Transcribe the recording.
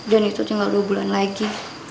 dan itu tinggal dua bulan lagi